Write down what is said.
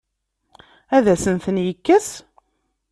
Ad asen-ten-yekkes?